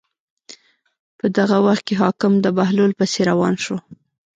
په دغه وخت کې حاکم د بهلول پسې روان شو.